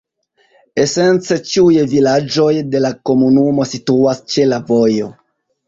Esence ĉiuj vilaĝoj de la komunumo situas ĉe la vojo.